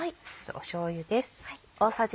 しょうゆです。